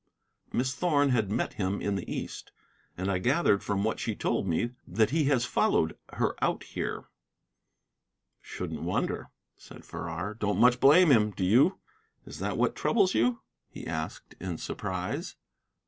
"Miss Thorn had met him in the East. And I gathered from what she told me that he has followed her out here." "Shouldn't wonder," said Farrar. "Don't much blame him, do you? Is that what troubles you?" he asked, in surprise.